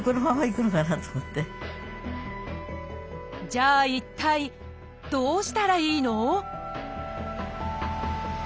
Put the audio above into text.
じゃあ一体どうしたらいいの？